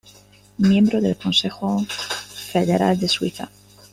Miembro del Consejo Federal de Suiza.